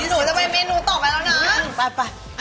หนูจะไปเมนูต่อไปแล้วนะ